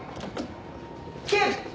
警部！